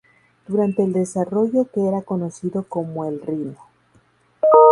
Durante el desarrollo, que era conocido como el "Rhino".